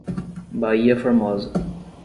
Baía Formosa